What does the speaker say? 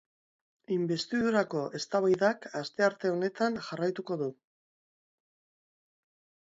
Inbestidurako eztabaidak astearte honetan jarraituko du.